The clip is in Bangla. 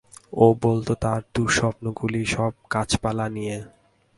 ও বলত, তার দুঃস্বপ্নগুলি সব গাছপালা নিয়ে।